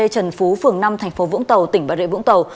trần phú phường năm thành phố vũng tàu tỉnh bà rệ vũng tàu